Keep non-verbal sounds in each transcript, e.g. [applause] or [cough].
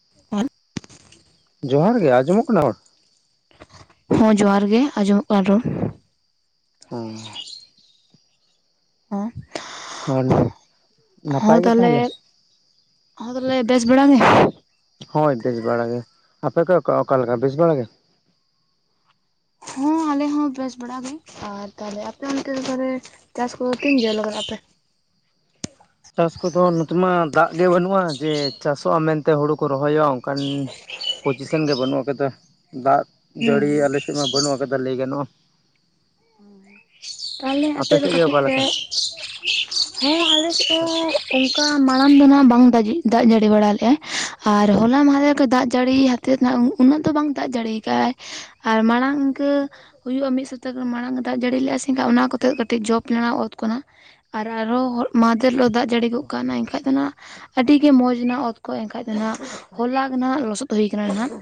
[unintelligible] ᱡᱚᱦᱟᱨ ᱜᱮ ᱟᱸᱡᱚᱢᱚᱜ ᱠᱟᱱᱟ ᱨᱚᱲ? ᱦᱚ ᱡᱚᱦᱟᱨ ᱜᱮ ᱟᱸᱡᱚᱢᱚᱜ ᱠᱟᱱ ᱨᱚᱲ᱾ ᱦᱩᱸ, ᱦᱚᱸ ᱦᱚᱸ ᱦᱚᱸ ᱱᱟᱯᱟᱭ ᱜᱮ ᱛᱟᱦᱞᱮ, ᱛᱟᱦᱚᱞᱮ? ᱦᱚᱸ ᱛᱟᱦᱞᱮ ᱵᱮᱥ ᱵᱟᱲᱟ ᱜᱮ? ᱦᱳᱭ ᱵᱮᱥ ᱵᱟᱲᱟ ᱜᱮ ᱟᱯᱮ ᱠᱚ ᱚᱠᱟ ᱚᱠᱟᱞᱮᱠᱟ ᱵᱮᱥ ᱵᱟᱲᱟ ᱜᱮ? ᱦᱚᱸ ᱟᱞᱮ ᱦᱚᱸ ᱵᱮᱥ ᱵᱟᱲᱟ ᱜᱮ ᱟᱨ ᱛᱟᱦᱞᱮ ᱟᱯᱮ ᱚᱱᱛᱮ ᱫᱚ ᱛᱟᱦᱚᱞᱮ, ᱪᱟᱥ ᱠᱚ ᱛᱤᱱ ᱡᱷᱟᱹᱞ ᱠᱟᱜ-ᱟ ᱯᱮ? ᱪᱟᱥ ᱠᱚᱫᱚ ᱱᱚᱛᱮ ᱢᱟ ᱫᱟᱜ ᱜᱮ ᱵᱟᱹᱱᱩᱜᱼᱟ ᱡᱮ ᱪᱟᱥᱚᱜᱼᱟ ᱢᱮᱱᱛᱮ ᱦᱩᱲᱩ ᱠᱚ ᱨᱚᱦᱚᱭᱚᱜ-ᱟ ᱚᱱᱠᱟᱱ, ᱯᱚᱡᱤᱥᱮᱱ ᱜᱮ ᱵᱟᱹᱱᱩᱜ ᱠᱟᱫᱟ ᱫᱟᱜ ᱦᱩᱸ ᱡᱟᱹᱲᱤ ᱟᱞᱮ ᱥᱮᱜ ᱢᱟ ᱵᱟᱹᱱᱩᱜ ᱠᱟᱫᱟ ᱞᱟᱹᱭ ᱜᱟᱱᱚᱜᱼᱟ᱾ ᱚ ᱛᱟᱦᱞᱮ ᱟᱯᱮ ᱫᱚ ᱥᱮᱫ ᱜᱮ ᱠᱟᱹᱴᱤᱡ ᱚᱠᱟ ᱯᱮ ᱞᱮᱠᱟ? [unintelligible] ᱟᱞᱮ ᱥᱮᱜ ᱦᱚᱸ ᱚᱱᱠᱟ ᱢᱟᱲᱟᱝ ᱫᱚ ᱱᱟᱦᱟᱜ ᱵᱟᱝ ᱫᱟᱜᱤᱜ ᱫᱟᱜ ᱡᱟᱹᱲᱤ ᱵᱟᱲᱟ ᱞᱮᱫᱼᱟᱭ ᱟᱨ ᱦᱚᱞᱟ ᱢᱟᱫᱷᱮᱨ ᱫᱟᱜ ᱡᱟᱹᱲᱤ ᱦᱟᱛᱮᱫ ᱱᱟᱜ ᱩᱱᱟᱹᱜ ᱫᱚ ᱵᱟᱝ ᱫᱟᱜ ᱡᱟᱹᱲᱤᱭ ᱟᱠᱟᱫᱟᱭ᱾ ᱟᱨ ᱢᱟᱲᱟᱝ ᱤᱱᱠᱟᱹ ᱦᱩᱭᱩᱜᱼᱟ ᱢᱤᱫ ᱥᱚᱯᱛᱮ ᱢᱟᱲᱟᱝ ᱫᱟᱜ ᱡᱟᱹᱲᱤ ᱞᱮ-ᱟ ᱥᱮᱜᱷᱟ ᱚᱱᱟ ᱠᱚᱛᱮ ᱠᱟᱹᱴᱤᱡ ᱡᱚᱯ ᱞᱮᱱᱟ ᱚᱛ ᱠᱚ ᱱᱟᱜ᱾ ᱟᱨ ᱟᱨᱦᱚᱸ ᱢᱟᱦᱫᱷᱮᱨ ᱞᱳᱜ ᱫᱟᱜ ᱡᱟᱹᱲᱤ ᱜᱚᱜ ᱠᱟᱣᱱᱟ ᱮᱱᱠᱷᱟᱡ ᱫᱚ ᱱᱟᱸᱜ, ᱟᱹᱰᱤ ᱜᱮ ᱢᱚᱡᱽ ᱱᱟ ᱚᱛ ᱠᱚ ᱮᱱᱠᱷᱟᱡ ᱫᱚ ᱱᱟᱜ ᱦᱚᱞᱟᱜ ᱱᱟᱜ ᱞᱚᱥᱚᱫ ᱦᱩᱭ ᱠᱟᱱᱟ ᱱᱟᱦᱟᱸᱜ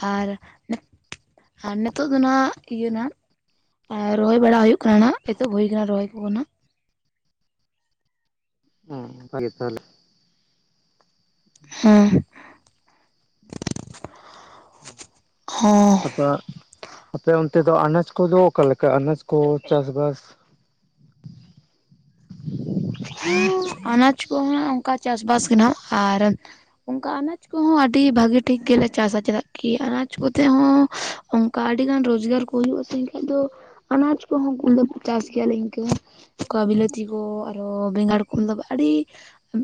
ᱟᱨ, [inaudible] ᱟᱨ ᱱᱮᱛᱳᱜ ᱫᱚ ᱱᱟᱦᱟᱸᱜ ᱤᱭᱟᱹ ᱱᱟᱸᱜ, ᱟᱨ ᱨᱚᱦᱚᱭ ᱵᱟᱲᱟ ᱦᱩᱭᱳᱜ ᱠᱟᱱᱟ ᱱᱟᱜ ᱮᱛᱚᱵ ᱦᱩᱭ ᱠᱟᱱᱟ ᱨᱚᱦᱚᱭ ᱠᱚᱱᱟᱜ᱾ ᱦᱩᱸ [unintelligible] ᱛᱟᱦᱞᱮ᱾ ᱦᱮᱸ ᱦᱚᱸ᱾ [unintelligible] ᱟᱯᱮ ᱚᱱᱛᱮ ᱫᱚ ᱟᱱᱟᱡᱽ ᱠᱚᱫᱚ ᱚᱠᱟᱞᱮ ᱞᱮᱠᱟ ᱟᱱᱟᱡᱽ ᱠᱚ ᱪᱟᱥ ᱵᱟᱥ? ᱟᱱᱟᱡᱽ ᱠᱚᱦᱚᱸ ᱚᱱᱠᱟ ᱪᱟᱥᱵᱟᱥ ᱜᱮᱱᱟᱜ ᱟᱨ, ᱚᱱᱠᱟ ᱟᱱᱟᱡᱽ ᱠᱚᱦᱚᱸ ᱟᱹᱰᱤ ᱵᱷᱟᱹᱜᱤ ᱴᱷᱤᱠ ᱜᱮᱞᱮ ᱪᱟᱥᱟ ᱪᱮᱫᱟᱜ ᱠᱤ ᱟᱱᱟᱡᱽ ᱠᱚᱛᱮ ᱦᱚᱸ, ᱚᱱᱠᱟ ᱟᱹᱰᱤ ᱜᱟᱱ ᱨᱳᱡᱽᱜᱟᱨ ᱠᱚ ᱦᱩᱭᱩᱜᱼᱟ ᱥᱮ ᱮᱱᱠᱷᱟᱡ ᱫᱚ, ᱟᱱᱟᱡ ᱠᱚᱦᱚᱸ [unintelligible] ᱪᱟᱥ ᱜᱮᱭᱟᱞᱮ ᱤᱱᱠᱟᱹ ᱚᱱᱠᱟ ᱵᱤᱞᱟᱹᱛᱤ ᱠᱚ, ᱚᱻ ᱵᱮᱸᱜᱟᱲ [unintelligible] ᱟᱹᱰᱤ,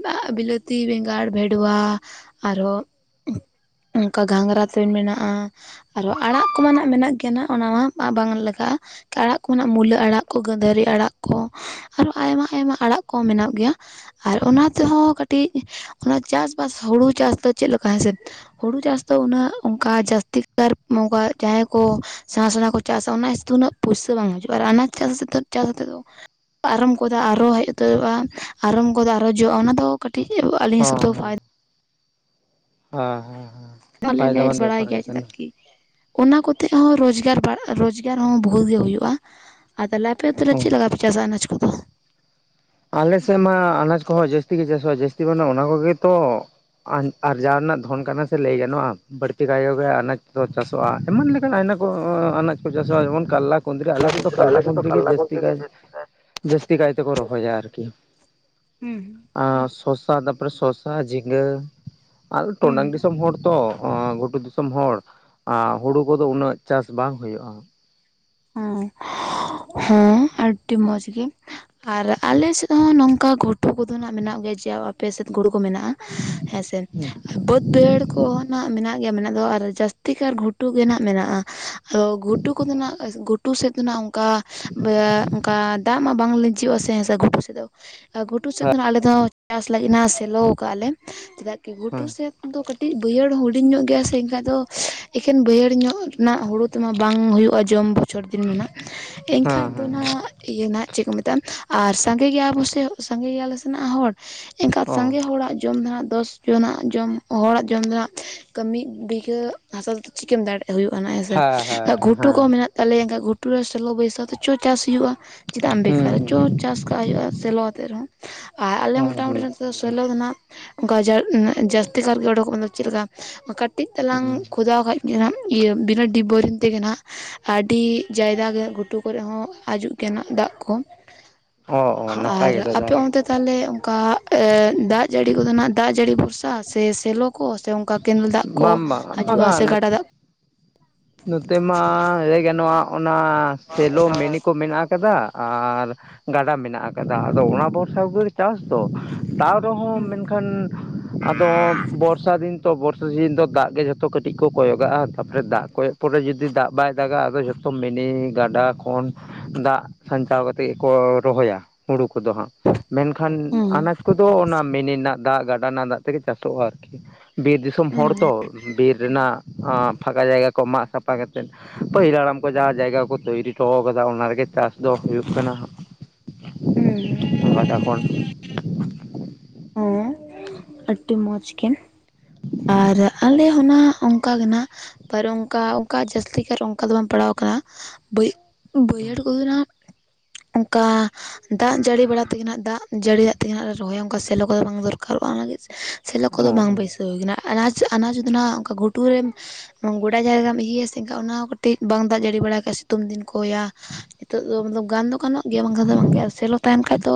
[inaudible] ᱵᱤᱞᱟᱹᱛᱤ ᱵᱮᱸᱜᱟᱲ ᱵᱷᱮᱰᱣᱟ ᱟᱨᱦᱚᱸ, ᱚᱱᱠᱟ ᱜᱷᱟᱸᱝᱽᱨᱟ ᱛᱩᱧ ᱢᱮᱱᱟᱜᱼᱟ᱾ ᱟᱨᱚ ᱟᱲᱟᱜ ᱠᱚᱢᱟᱱᱟᱜ ᱢᱮᱱᱟᱜ ᱜᱮᱭᱟ ᱚᱱᱟ ᱢᱟ ᱵᱟᱝ ᱞᱮᱠᱷᱟᱼᱟ᱾ ᱠᱮ ᱟᱲᱟᱜ ᱠᱚ ᱢᱮᱱᱟᱜ-ᱟ ᱢᱩᱞᱟᱹ ᱟᱲᱟᱜ ᱠᱚ ᱜᱟᱺᱫᱷᱟᱹᱨᱤ ᱟᱲᱟᱜ ᱠᱚ ᱟᱨᱚ ᱟᱭᱢᱟ ᱟᱭᱢᱟ, ᱟᱲᱟᱜ ᱠᱚ ᱢᱮᱱᱟᱜ ᱜᱮᱭᱟ᱾ ᱟᱨ ᱚᱱᱟ ᱛᱮᱦᱚᱸ ᱠᱟᱹᱴᱤᱡ ᱚᱱᱟ ᱪᱟᱥᱵᱟᱥ ᱦᱩᱲᱩ ᱪᱟᱥ ᱫᱚ ᱪᱮᱫ ᱞᱮᱠᱟ ᱦᱮ ᱥᱮᱵ, ᱦᱩᱲᱩ ᱪᱟᱥ ᱫᱚ ᱩᱱᱟᱹᱜ ᱚᱱᱠᱟ ᱡᱟᱹᱥᱛᱤ [inaudible] ᱢᱚᱠᱟ ᱡᱟᱦᱟᱸᱭ ᱠᱚ, ᱥᱮᱬᱟ ᱥᱮᱬᱟ ᱠᱚ ᱪᱟᱥᱟ ᱚᱱᱟ [unintelligible] ᱩᱱᱟᱹᱜ ᱯᱩᱭᱥᱟᱹ ᱵᱟᱝ ᱦᱤᱡᱩᱜᱼᱟ᱾ ᱟᱨ ᱟᱱᱟᱡᱽ ᱪᱟᱥ ᱪᱟᱥᱛᱮᱫ ᱫᱚ ᱟᱨᱚᱢ ᱜᱚᱫᱟ ᱟᱨᱚ ᱦᱮᱡ ᱩᱛᱟᱹᱨᱚᱜᱼᱟ ᱟᱨᱚᱢ ᱜᱚᱫᱟ ᱟᱨᱚ ᱡᱚᱜᱼᱟ ᱚᱱᱟ ᱫᱚ ᱠᱟᱹᱴᱤᱡ ᱟᱞᱤᱧ ᱦᱚᱸ ᱦᱤᱥᱟᱹᱵ ᱫᱚ ᱦᱚᱸ ᱯᱷᱟᱭᱫᱟ ᱦᱮᱸ ᱦᱮᱸ ᱦᱮᱸ᱾ [unintelligible] ᱟᱞᱮ ᱯᱷᱟᱭᱫᱟ ᱞᱮ ᱢᱟᱱ ᱵᱟᱲᱟᱭ ᱵᱮᱯᱟᱨ ᱜᱮ ᱜᱮᱭᱟ ᱠᱟᱱᱟ᱾ ᱪᱮᱫᱟᱜ ᱠᱤ ᱚᱱᱟ ᱠᱚᱛᱮ ᱦᱚᱸ ᱨᱚᱡᱽᱜᱟᱨ ᱨᱚᱡᱽᱜᱟᱨ ᱦᱚᱸ ᱵᱚᱦᱩᱛ ᱜᱮ ᱦᱩᱭᱩᱜᱼᱟ᱾ [inaudible] ᱟᱯᱮ ᱛᱟᱦᱚᱞᱮ ᱚ ᱪᱮᱫ ᱞᱮᱠᱟ ᱯᱮ ᱪᱟᱥᱼᱟ ᱟᱱᱟᱡᱽ ᱠᱚᱫᱚ? ᱟᱞᱮᱥᱮᱫ ᱢᱟ ᱟᱱᱟᱡ ᱠᱚᱦᱚᱸ ᱡᱟᱹᱥᱛᱤ ᱜᱮ ᱪᱟᱥᱚᱜᱼᱟ ᱡᱟᱹᱥᱛᱤ ᱢᱟᱱᱮ ᱚᱱᱟ ᱠᱚᱜᱮᱛᱚ᱾ ᱟᱨᱡᱟᱣ ᱨᱮᱱᱟᱜ ᱫᱷᱚᱱ ᱠᱟᱱᱟ ᱥᱮ ᱞᱟᱹᱭ ᱜᱟᱱᱚᱜᱼᱟ᱾ ᱵᱟᱹᱲᱛᱤ ᱠᱟᱭᱚᱜ ᱜᱮ ᱟᱱᱟᱡ ᱫᱚ ᱪᱟᱥᱚᱜᱼᱟ᱾ ᱮᱢᱟᱱ ᱞᱮᱠᱟᱱ ᱟᱭᱢᱟ ᱠᱚ ᱟᱱᱟᱡ ᱠᱚ ᱪᱟᱥᱚᱜᱼᱟ᱾ ᱡᱮᱢᱚᱱ ᱠᱟᱨᱞᱟ ᱠᱩᱫᱽᱨᱤ ᱟᱞᱮ ᱥᱮ ᱟᱞᱮ ᱠᱟᱞᱞᱟ ᱥᱮᱫ ᱫᱚ ᱠᱩᱫᱽᱨᱤ ᱜᱮ ᱡᱟᱹᱥᱛᱤ ᱠᱚᱛᱮ ᱠᱟᱭᱛᱮ ᱡᱟᱹᱥᱛᱤ ᱠᱟᱭᱛᱮ ᱠᱚ ᱨᱚ ᱦᱚᱭᱟ ᱟᱨᱠᱤ ᱦᱩᱸ ᱟᱨ ᱥᱚᱥᱟ ᱛᱟᱨᱯᱚᱨᱮ ᱥᱚᱥᱟ ᱡᱷᱤᱸᱜᱟᱹ ᱟᱫᱚ ᱴᱚᱰᱟᱝ ᱦᱩᱸ ᱫᱤᱥᱚᱢ ᱦᱚᱲ ᱛᱚ ᱜᱷᱩᱴᱩ ᱫᱤᱥᱚᱢ ᱦᱚᱲ ᱦᱩᱲᱩ ᱠᱚᱫᱚ ᱩᱱᱟᱹᱜ ᱪᱟᱥ ᱵᱟᱝ ᱦᱩᱭᱩᱜᱼᱟ᱾ ᱦᱮᱸ᱾ ᱦᱮᱸ ᱟᱹᱰᱤ ᱢᱚᱸᱡᱽ ᱜᱮ ᱟᱨ ᱟᱞᱮ ᱥᱮᱫ ᱦᱚᱸ ᱱᱚᱝᱠᱟ ᱜᱷᱩ ᱴᱩ ᱠᱚᱫᱚ ᱱᱟᱜ ᱢᱮᱱᱟᱜ ᱜᱮᱭᱟ ᱡᱮ ᱟᱯᱮ ᱥᱮᱫ ᱜᱩᱲᱩ ᱠᱚ ᱢᱮᱱᱟᱜᱼᱟ᱾ ᱦᱮᱸ ᱥᱮ ᱵᱟᱹᱫᱽ ᱵᱟᱹᱭᱦᱟᱹᱲ ᱠᱚᱦᱚᱸ ᱱᱟᱦᱟᱸᱜ ᱢᱮᱱᱟᱜ ᱜᱮ ᱢᱮᱱᱟᱜ ᱫᱚ ᱟᱨ ᱡᱟᱹᱥᱛᱤ ᱠᱟᱨ ᱜᱷᱩᱴᱩ ᱜᱮ ᱱᱟᱦᱟᱜ ᱢᱮᱱᱟᱜᱼᱟ᱾ ᱟᱫᱚ ᱜᱷᱩᱴᱩ ᱠᱚᱫᱚ ᱱᱟᱦᱟᱜ ᱜᱷᱩᱴᱩ ᱥᱮᱫ ᱫᱚ ᱱᱟᱜ ᱚᱱᱠᱟ ᱚᱱᱠᱟ ᱫᱟᱜ ᱢᱟ ᱵᱟᱝ ᱞᱤᱸᱡᱤᱚᱜᱼᱟ ᱥᱮ ᱦᱮᱸ ᱥᱮ ᱜᱷᱩᱴᱩ ᱥᱮᱫ ᱫᱚ ᱟ ᱜᱷᱩᱴᱩ ᱥᱮᱫ ᱫᱚ ᱱᱟᱦᱟᱜ ᱟᱞᱮ ᱫᱚ ᱪᱟᱥ ᱞᱟᱹᱜᱤᱫ ᱱᱟᱦᱟᱸᱜ ᱥᱮᱞᱚ ᱠᱟᱜᱼᱟ ᱞᱮ᱾ ᱪᱮᱫᱟᱜ ᱠᱤ ᱜᱷᱩᱴᱩ ᱦᱮᱸ ᱥᱮᱫ ᱫᱚ ᱠᱟᱹᱴᱤᱡ ᱵᱟᱹᱭᱦᱟᱹᱲ ᱦᱩᱰᱤᱧ ᱧᱚᱜ ᱜᱮᱭᱟ ᱥᱮ ᱮᱱᱠᱷᱟᱡ ᱫᱚ ᱮᱠᱷᱮᱱ ᱵᱟᱹᱭᱦᱟᱹᱲ ᱧᱚᱜ ᱨᱮᱱᱟᱜ ᱦᱳᱲᱩ ᱛᱮᱢᱟ ᱵᱟᱝ ᱦᱩᱭᱩᱜᱼᱟ᱾ ᱡᱚᱢ ᱵᱚᱪᱷᱚᱨ ᱫᱤᱱ ᱢᱮᱱᱟᱜ ᱦᱮᱸ ᱮᱱᱠᱷᱟᱡ ᱫᱚ ᱦᱮᱸ ᱱᱟᱦᱟᱜ ᱤᱭᱟᱹ ᱱᱟᱦᱟᱸᱜ ᱪᱮᱫ ᱠᱚ ᱢᱮᱛᱟᱜᱼᱟ ᱟᱨ ᱥᱟᱸᱜᱮ ᱜᱮᱭᱟ ᱵᱚ ᱥᱮ ᱥᱟᱸᱜᱮ ᱜᱮᱭᱟᱞᱮ ᱥᱮ ᱱᱟᱦᱟᱸᱜ ᱦᱚᱲ᱾ ᱮᱱᱠᱷᱟᱡ ᱚ ᱥᱟᱸᱜᱮ ᱦᱚᱲᱟᱜ ᱡᱚᱢ ᱦᱟᱸᱜ ᱫᱚᱥ ᱡᱚᱱᱟᱜ ᱡᱚᱢ ᱦᱚᱲᱟᱜ ᱡᱚᱢ ᱫᱚ ᱱᱟᱦᱟᱜ ᱠᱟᱹᱢᱤ ᱢᱤᱫ ᱵᱤᱜᱷᱟᱹ ᱦᱟᱥᱟ ᱫᱚ ᱪᱤᱠᱟᱹᱢ ᱫᱟᱲᱮᱜ ᱦᱩᱭᱩᱜ ᱟᱱᱟᱜ ᱦᱮᱸᱥᱮ, ᱦᱮᱸ ᱦᱮᱸ ᱜᱷᱩᱴᱩ ᱦᱮᱸ ᱠᱚ ᱢᱮᱱᱟᱜ ᱛᱟᱞᱮᱭᱟ ᱮᱱᱠᱷᱟᱡ ᱜᱷᱩᱴᱩ ᱨᱮ ᱥᱮᱞᱚ ᱵᱟᱹᱭᱥᱟᱣ ᱛᱮ ᱪᱚ ᱪᱟᱥ ᱦᱩᱭᱩᱜᱼᱟ ᱪᱮᱫᱟᱜ ᱮᱢ ᱦᱩᱸ ᱵᱮᱠᱟᱨᱟ ᱪᱚ ᱪᱟᱥ ᱠᱟᱜ ᱦᱩᱭᱩᱜᱼᱟ ᱥᱮᱞᱚ ᱟᱛᱮᱫ ᱨᱮᱦᱚᱸ, ᱟᱨ ᱟᱞᱮ ᱦᱩᱸ ᱦᱮᱸ ᱢᱚᱴᱟᱢᱩᱴᱤ ᱱᱚᱛᱮ ᱫᱚ ᱱᱟᱯᱟᱭ ᱜᱮ ᱥᱮᱞᱳ ᱫᱚ ᱱᱟᱦᱟᱸᱜ ᱚᱱᱠᱟ ᱡᱟᱹᱜ ᱡᱟᱹᱥᱛᱤ ᱠᱟᱨ ᱜᱮ ᱚᱰᱚ ᱠᱚᱜ ᱠᱟᱱ ᱫᱚ ᱪᱮᱫ ᱞᱮᱠᱟ ᱠᱟᱹᱴᱤᱡ ᱛᱟᱞᱟᱝ ᱦᱩᱸ ᱠᱷᱚᱫᱟᱣ ᱠᱷᱟᱡ--‌ ᱜᱮ ᱱᱟᱦᱟᱸᱜ ᱤᱭᱟᱹ ᱵᱤᱱᱟᱹ ᱰᱤᱵ ᱵᱳᱭᱨᱤᱝ ᱛᱮᱜᱮ ᱱᱟᱦᱟᱜ ᱟᱹᱰᱤ ᱡᱟᱭᱜᱟ ᱜᱮ ᱜᱷᱩᱴᱩ ᱠᱚᱨᱮᱜ ᱦᱚᱸ ᱦᱟᱡᱩᱜ ᱜᱮ ᱱᱟᱦᱟᱸᱜ ᱫᱟᱜ ᱠᱚ᱾ ᱚ ᱚ ᱟᱨ ᱱᱟᱯᱟᱭ ᱜᱮᱛᱚ ᱟᱯᱮ ᱛᱟᱦᱚᱞᱮ ᱚᱱᱛᱮ ᱛᱟᱦᱚᱞᱮ ᱚᱱᱠᱟ ᱫᱟᱜ ᱡᱟᱹᱲᱤ ᱠᱚᱫᱚ ᱱᱟᱦᱟᱸᱜ ᱫᱟᱜ ᱡᱟᱹᱲᱤ ᱵᱷᱚᱨᱥᱟ ᱥᱮ ᱥᱮᱞᱚ ᱠᱚ ᱥᱮ ᱚᱱᱠᱟ ᱠᱮᱱᱮᱞ ᱫᱟᱜ ᱠᱚ ᱵᱟᱝ ᱵᱟᱝ ᱦᱟᱡᱩᱜᱼᱟ ᱵᱟᱝᱟ ᱥᱮ ᱱᱚᱛ ᱜᱟᱰᱟ ᱫᱟᱜ ᱱᱚᱛᱮ ᱢᱟ ᱞᱟᱹᱭ ᱜᱟᱱᱚᱜᱼᱟ ᱚᱱᱟ ᱥᱮᱞᱚ ᱢᱤᱱᱤ ᱠᱚ ᱢᱮᱱᱟᱜ ᱠᱟᱫᱟ᱾ ᱟᱨ ᱜᱟᱰᱟ ᱢᱮᱱᱟᱜ ᱠᱟᱫᱟ ᱟᱫᱚ ᱚᱱᱟ ᱵᱚᱨᱥᱟ [inaudible] ᱜᱮ ᱪᱟᱥ ᱫᱚ᱾ ᱛᱟᱣ ᱨᱮᱦᱚᱸ ᱦᱩᱸ ᱢᱮᱱᱠᱷᱟᱱ ᱟᱫᱚ ᱵᱚᱨᱥᱟ ᱫᱤᱱ ᱛᱚ ᱵᱚᱨᱥᱟ ᱥᱤᱡᱤᱱ ᱫᱚ ᱫᱟᱜ ᱜᱮ ᱡᱷᱚᱛᱚ ᱠᱟᱹᱴᱤᱡ ᱠᱚ ᱠᱚᱭᱚᱜᱟᱜᱼᱟ ᱛᱟᱯᱚᱨᱮ ᱫᱟᱜ ᱠᱚᱭᱚᱜ ᱯᱚᱨᱮ ᱡᱩᱫᱤ ᱫᱟᱜ ᱵᱟᱭ ᱫᱟᱜᱟ ᱟᱫᱚ ᱡᱷᱚ ᱫᱚ ᱢᱤᱱᱤ ᱜᱟᱰᱟ ᱠᱷᱚᱱ ᱫᱟᱜ ᱥᱟᱧᱪᱟᱣ ᱠᱟᱛᱮᱜ ᱜᱮᱠᱚ ᱨᱚᱦᱚᱭᱟ ᱦᱩᱲᱩ ᱠᱚᱫᱚ ᱦᱟᱸᱜ᱾ ᱢᱮᱱᱠᱷᱟᱱ ᱦᱩᱸ ᱟᱱᱟᱪ ᱠᱚᱫᱚ ᱚᱱᱟ ᱢᱤᱱᱤ ᱨᱮᱱᱟᱜ ᱫᱟᱜ ᱜᱟᱰᱟ ᱨᱮᱱᱟᱜ ᱫᱟᱜ ᱛᱮᱜᱮ ᱪᱟᱥᱚᱜᱼᱟ ᱟᱨᱠᱤ᱾ ᱵᱤᱨ ᱫᱤᱥᱚᱢ ᱦᱚᱲ ᱛᱚ ᱵᱤᱨ ᱨᱮᱱᱟᱜ ᱯᱷᱟᱸᱠᱟ ᱡᱟᱭᱜᱟ ᱠᱚ ᱢᱟᱜ ᱥᱟᱯᱷᱟ ᱠᱟᱛᱮᱫ ᱯᱟᱹᱦᱤᱞ ᱦᱟᱲᱟᱢ ᱠᱚ ᱡᱟᱦᱟᱸ ᱡᱟᱭᱜᱟ ᱠᱚ ᱛᱳᱭᱨᱤ ᱦᱚᱴᱚᱣ ᱠᱟᱫᱟ ᱚᱱᱟ ᱨᱮᱜᱮ ᱪᱟᱥ ᱫᱚ ᱦᱩᱭᱩᱜ ᱠᱟᱱᱟ᱾ ᱦᱩᱸ ᱜᱟᱵᱟ ᱠᱷᱚᱱ᱾ ᱦᱚᱸ ᱟᱹᱰᱤ ᱢᱚᱡᱽ ᱜᱮ ᱟᱨ ᱟᱞᱮ ᱚ ᱦᱚᱸ ᱱᱟᱦᱟᱜ ᱚᱝ ᱚᱱᱠᱟ ᱜᱮ ᱱᱟᱦᱟᱸᱜ ᱯᱟᱨ ᱚᱱᱠᱟ ᱚᱱᱠᱟ ᱡᱟᱹᱥᱛᱤ ᱠᱟᱨ ᱚᱱᱠᱟ ᱫᱚ ᱵᱟᱝ ᱯᱟᱲᱟᱣ ᱠᱟᱱᱟ᱾ ᱵᱟᱹᱭᱦᱟᱹᱲ ᱠᱚ ᱫᱚ ᱱᱟᱦᱟᱜᱼᱼ ᱚᱱᱠᱟ ᱫᱟᱜ ᱡᱟᱹᱲᱤ ᱵᱟᱲᱟ ᱛᱮᱜᱮ ᱱᱟᱦᱟᱸᱜ ᱫᱟᱜ ᱡᱟᱹᱲᱤᱭᱟᱜ ᱛᱮᱜᱮ ᱦᱟᱸᱜ ᱞᱮ ᱨᱚᱦᱚᱭᱟ᱾ ᱚᱱᱠᱟ ᱥᱮᱞᱚ ᱠᱚᱫᱚ ᱵᱟᱝ ᱫᱚᱨᱠᱟᱨᱚᱜ-ᱟ ᱚᱱᱟ ᱞᱟᱹᱜᱤᱫ ᱥᱮᱞᱚ ᱚ ᱠᱚᱫᱚ ᱵᱟᱝ ᱦᱮᱸ ᱵᱟᱹᱭᱥᱟᱹᱣ ᱦᱩᱭ ᱠᱟᱱᱟ᱾ ᱟᱱᱟᱪᱽ ᱟᱱᱟᱪᱽ ᱫᱚ ᱱᱟᱦᱟᱸᱜ ᱚᱱᱠᱟ ᱜᱷᱩᱴᱩ ᱨᱮᱼᱼ ᱜᱚᱰᱟ ᱡᱟᱭᱜᱟᱢ ᱤᱭᱟᱹᱭᱟ ᱥᱮ ᱤᱱᱠᱷᱟᱡ ᱚᱱᱟ ᱦᱚᱸ ᱠᱟᱹᱴᱤᱡ ᱵᱟᱝ ᱫᱟᱜ ᱡᱟᱹᱲᱤ ᱵᱟᱲᱟᱭ ᱠᱷᱟᱡ ᱥᱤᱛᱩᱝ ᱫᱤᱱ ᱠᱚᱭᱟᱼᱼ ᱱᱤᱛᱚᱜ ᱫᱚ ᱚᱱᱟ ᱫᱚ ᱜᱟᱱ ᱫᱚ ᱜᱟᱱᱚᱜ ᱜᱮᱭᱟ ᱵᱟᱝᱠᱷᱟᱱ ᱫᱚ ᱵᱟᱝᱜᱮ ᱟᱨ ᱥᱮᱞᱚ ᱛᱟᱦᱮᱱ ᱠᱷᱟᱡ ᱫᱚ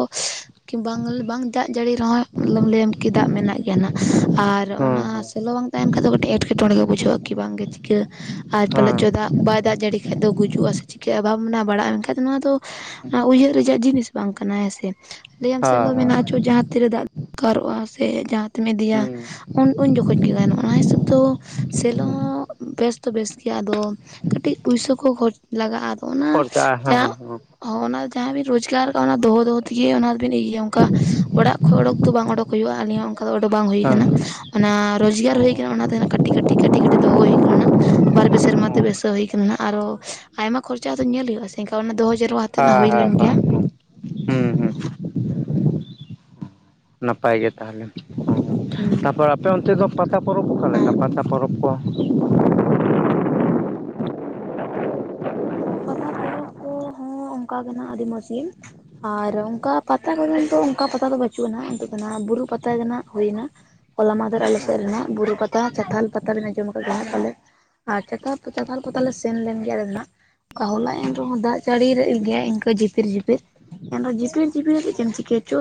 ᱵᱟᱝ ᱵᱟᱝᱼᱼ ᱡᱟᱹᱲᱤ ᱨᱮᱦᱚᱭ [unintelligible] ᱞᱟᱹᱭᱟᱢ ᱠᱤ ᱫᱟᱜ ᱢᱮᱱᱟᱜ ᱜᱮᱭᱟ ᱱᱟᱦᱟᱜ ᱟᱨ ᱚᱱᱟ ᱦᱮᱸ ᱥᱮᱞᱚᱼᱼ ᱛᱟᱦᱮᱱ ᱠᱷᱟᱡ ᱫᱚ ᱠᱟᱹᱴᱤᱡ ᱮᱸᱴᱠᱮᱴᱚᱬᱮ ᱜᱮ ᱵᱩᱡᱷᱟᱹᱜ-ᱟ ᱠᱤ ᱵᱟᱝᱜᱮ ᱪᱤᱠᱟᱹ ᱟᱨ ᱯᱟᱞᱮᱫ ᱪᱚᱭ ᱫᱟᱜᱼᱼ ᱵᱟᱭ ᱫᱟᱜ ᱡᱟᱹᱲᱤ ᱠᱷᱟᱡ ᱫᱚ ᱜᱩᱡᱩᱜ-ᱟ ᱥᱮ ᱪᱤᱠᱟᱹᱜ-ᱟ ᱚᱵᱷᱟᱵᱽ ᱱᱟᱜ ᱵᱟᱲᱟᱜ-ᱟ ᱢᱮᱱᱠᱷᱟᱡ ᱫᱚ ᱱᱚᱣᱟ ᱫᱚᱼᱼ ᱦᱮᱸ ᱩᱭᱦᱟᱹᱨ ᱨᱮᱭᱟᱜ ᱡᱤᱱᱤᱥ ᱵᱟᱝ ᱠᱟᱱᱟ ᱦᱮᱸᱥᱮ ᱞᱟᱹᱭᱟᱢ ᱥᱮᱞᱚ ᱦᱮᱸ ᱢᱮᱱᱟᱜ-ᱟ ᱪᱚ ᱡᱟᱦᱟᱸ ᱛᱤᱨᱮ ᱫᱟᱜ ᱫᱚᱨᱠᱟᱨᱚᱜ-ᱟ ᱥᱮ ᱡᱟᱦᱟᱸᱼᱼ ᱛᱮᱢ ᱤᱫᱤᱭᱟ ᱦᱮᱸ ᱩᱱ ᱩᱱ ᱡᱚᱠᱷᱚᱡ ᱜᱮ ᱜᱟᱱᱚᱜ-ᱟ [unintelligible] ᱦᱤᱥᱟᱹᱵᱽ ᱫᱚᱼᱼ ᱥᱮᱞᱚ ᱦᱩᱸ ᱦᱚᱸ ᱵᱮᱥ ᱫᱚ ᱵᱮᱥ ᱜᱮᱭᱟ ᱟᱫᱚ ᱠᱟᱹᱴᱤᱡ ᱯᱩᱭᱥᱟᱹ ᱠᱚ ᱠᱷᱚᱨ ᱞᱟᱜᱟᱜ-ᱟ᱾ ᱚᱱᱟ ᱠᱷᱚᱨᱪᱟ ᱡᱟᱼᱼ ᱦᱮᱸ ᱦᱮᱸ ᱚᱱᱟ ᱡᱟᱦᱟᱸᱵᱤᱱ ᱨᱚᱡᱽᱜᱟᱨ ᱠᱟᱜ-ᱟ ᱚᱱᱟ ᱫᱚᱦᱚ ᱫᱚᱦᱚ ᱛᱮᱜᱮ ᱚᱱᱟ ᱫᱚᱵᱤᱱ ᱤᱭᱟᱹᱭᱟ ᱚᱱᱠᱟ ᱚᱲᱟᱜᱼᱼ ᱠᱷᱚᱲᱳᱠ ᱫᱚ ᱵᱟᱝ ᱚᱰᱳᱠ ᱦᱩᱭᱩᱜ-ᱟ, ᱟᱹᱞᱤᱧ ᱦᱚᱸ ᱚᱱᱠᱟ ᱫᱚ ᱚᱸᱰᱮ ᱵᱟᱝ ᱦᱩᱭ ᱦᱮᱸ ᱠᱟᱱᱟ᱾ ᱚᱱᱟ ᱨᱚᱡᱜᱟᱨ ᱚ ᱦᱩᱭ ᱦᱮᱸ ᱠᱟᱱᱟ ᱚᱱᱟᱛᱮ ᱱᱟᱦᱟᱜ ᱠᱟᱹᱴᱤᱡ ᱠᱟᱹᱴᱤᱡ ᱠᱟᱹᱴᱤᱡ ᱠᱟᱹᱴᱤᱡ ᱫᱚᱦᱚ ᱦᱩᱭ ᱠᱟᱱᱟ᱾ ᱵᱟᱨ ᱯᱮ ᱥᱮᱨᱢᱟ ᱛᱮ ᱵᱮᱥ ᱜᱮ ᱦᱩᱭ ᱠᱟᱱᱟ ᱱᱟᱦᱟᱸᱜ, ᱟᱨᱚ ᱟᱭᱢᱟ ᱠᱷᱚᱨᱪᱟ ᱫᱚ ᱧᱮᱞ ᱦᱩᱭᱩᱜ-ᱟ ᱥᱮ ᱮᱱᱠᱷᱟᱡ ᱚᱱᱟ ᱫᱚᱦᱚ ᱡᱟᱨᱣᱟᱼᱼ ᱟ ᱦᱟ ᱦᱟ ᱦᱟ ᱦᱩᱸ ᱦᱩᱸ ᱩᱸ ᱱᱟᱯᱟᱭ ᱜᱮ ᱛᱟᱦᱞᱮ ᱦᱩᱸ ᱛᱟᱨᱯᱚᱨ ᱟᱯᱮ ᱚᱱᱛᱮ ᱫᱚ ᱯᱟᱛᱟ ᱯᱚᱨᱚᱵᱽ ᱚᱠᱟ ᱞᱮᱠᱟ ᱦᱮᱸ ᱯᱟᱛᱟ ᱯᱚᱨᱚᱵᱽ ᱠᱚ ᱦᱚᱸ ᱯᱟᱛᱟ ᱯᱚᱨᱚᱵᱽ ᱠᱚᱦᱚᱸ ᱚᱱᱠᱟ ᱜᱮ ᱱᱟᱜ ᱟᱹᱰᱤ ᱢᱚᱡᱽ ᱜᱮ ᱟᱨ ᱚᱱᱠᱟ ᱯᱟᱛᱟ ᱠᱚ ᱢᱮᱱ ᱫᱚ ᱚᱱᱠᱟ ᱯᱟᱛᱟ ᱫᱚ ᱵᱟᱹᱪᱩᱜ ᱟ ᱱᱤᱛᱚᱜ ᱫᱚ ᱵᱩᱨᱩ ᱯᱟᱛᱟ ᱜᱮᱱᱟᱜ ᱦᱩᱭ ᱱᱟ ᱠᱚᱞᱟ ᱢᱟᱫᱮᱨ ᱟᱞᱮ ᱥᱮᱫ ᱨᱮᱱᱟᱜ ᱵᱩᱨᱩ ᱯᱟᱛᱟ ᱪᱛᱷᱟᱞ ᱯᱟᱛᱟ ᱵᱮᱱ ᱟᱸᱡᱚᱢ ᱟᱠᱟᱫ ᱜᱮ ᱯᱟᱞᱮᱜᱼᱼ ᱟᱨ ᱪᱟᱛ ᱪᱟᱛᱷᱟ ᱠᱚ ᱛᱟᱞᱮ ᱞᱮᱱ ᱜᱮᱭᱟ ᱟᱞᱮ ᱫᱚ ᱱᱟᱜᱼᱼ ᱦᱚᱞᱟ ᱮᱱ ᱨᱮᱦᱚᱸ ᱫᱟᱜ ᱡᱟᱹᱲᱤ ᱞᱮᱜ ᱜᱮᱭᱟᱭ ᱤᱱᱠᱟᱹ ᱡᱤᱯᱤᱨ ᱡᱤᱯᱤᱨ ᱮ ᱡᱷᱤᱯᱨ ᱡᱷᱤᱯᱤᱨ ᱪᱮᱫ ᱮᱢ ᱪᱤᱠᱟᱹᱭᱟ ᱪᱚ